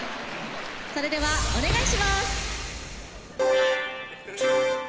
それではお願いします。